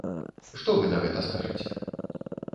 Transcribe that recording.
Што вы на гэта скажаце?